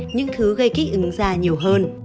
những thứ gây kích ứng da nhiều hơn